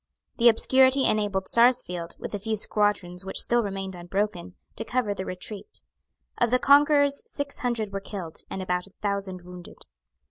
The obscurity enabled Sarsfield, with a few squadrons which still remained unbroken, to cover the retreat. Of the conquerors six hundred were killed, and about a thousand wounded.